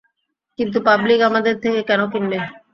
কিন্তু পাবলিক আমাদের থেকে কেন কিনবে?